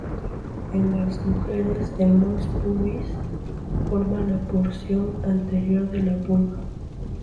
En las mujeres, el mons pubis forma la porción anterior de la vulva.